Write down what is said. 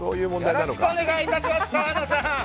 よろしくお願いします。